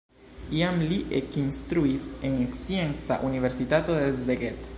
Iam li ekinstruis en Scienca Universitato de Szeged.